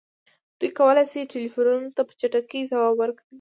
دوی کولی شي ټیلیفونونو ته په چټکۍ ځواب ورکړي